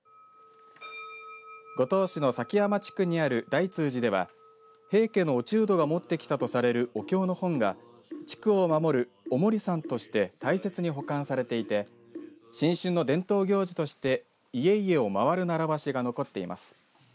五島市の崎山地区にある大通寺では平家の落人が持って来たとされるお経の本が地区を守る、お守りさんとして大切に保管されていて新春の伝統行事として家々を回るならわしが残っています。